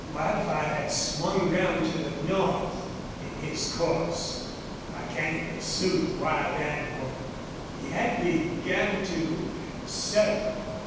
Wildfire had swung round to the north in his course. Like any pursued wild animal, he had began to circle.